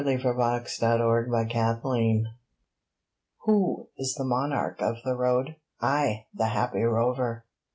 The Happy Traveller WHO is the monarch of the Road? I, the happy rover!